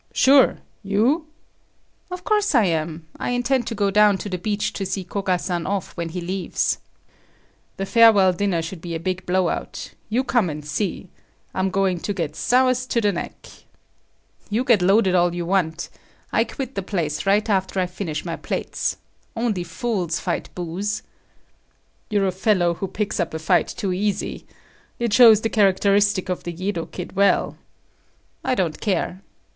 "Sure. You?" "Of course I am. I intend to go down to the beach to see Koga san off when he leaves." "The farewell dinner should be a big blow out. You come and see. I'm going to get soused to the neck." "You get loaded all you want. I quit the place right after I finish my plates. Only fools fight booze." "You're a fellow who picks up a fight too easy. It shows up the characteristic of the Yedo kid well." "I don't care.